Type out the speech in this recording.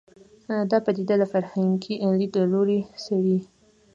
دا پدیده له فرهنګي لید لوري څېړي